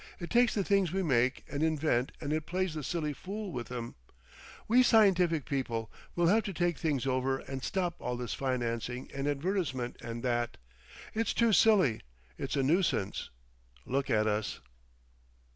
It takes the things we make and invent and it plays the silly fool with 'em. We scientific people, we'll have to take things over and stop all this financing and advertisement and that. It's too silly. It's a noosance. Look at us!"